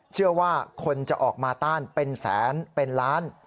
เชื่อว่าคนจะออกมาต้านเป็นแสนเป็นล้าน